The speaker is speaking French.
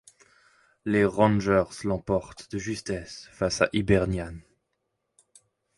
Les Rangers l’emportent de justesse face à Hibernian.